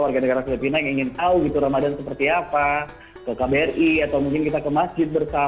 warga negara filipina yang ingin tahu gitu ramadhan seperti apa ke kbri atau mungkin kita ke masjid bersama